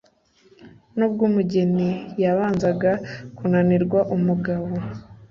Nubwo umugeni yabanzaga kunanira umugabo